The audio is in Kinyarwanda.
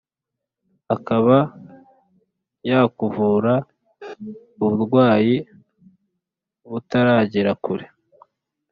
akaba yakuvura uburwayi butaragera kure